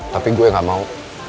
tapi gue gak mau